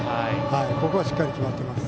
ここはしっかり決まっています。